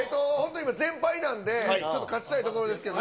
今、全敗なんで、ちょっと勝ちたいところですけれ